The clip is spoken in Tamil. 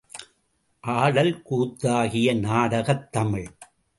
ஆடல் கூத்தாகிய நாடகத் தமிழ்.